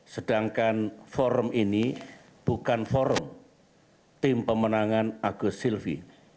sedangkan forum ini bukan forum tim pemenangan agus silvi